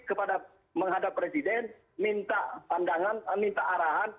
kepada menghadap presiden minta pandangan minta arahan